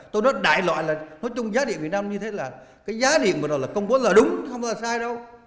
tôi nói đại loại là nói chung giá điện việt nam như thế là cái giá điện vừa rồi là công bố là đúng không là sai đâu